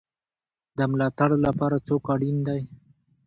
د ملاتړ لپاره څوک اړین دی؟